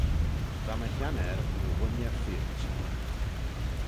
Va my haner ny ghooinney feoilt.